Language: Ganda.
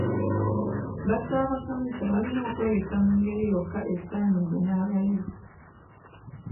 Bassaabasomesa balina okweyisa mu ngeri yokka esaanidde n'abayizi.